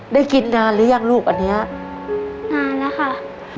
ได้กินนานหรือยังลูกอันเนี้ยนานแล้วค่ะ